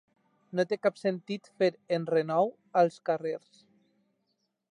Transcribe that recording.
No té cap sentit fer enrenou als carrers.